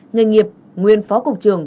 người nghiệp nguyên phó cục trường